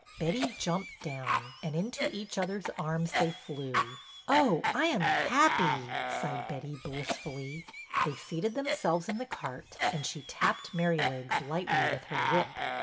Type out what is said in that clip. Betty jumped down, and into each other's arms they flew. '' Oh, I am happy !" sighed Betty, blissfully. They seated themselves in the cart, and she tapped Merrylegs lightly with her whip.